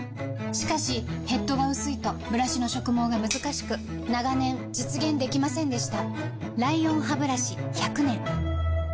しかしヘッドが薄いとブラシの植毛がむずかしく長年実現できませんでした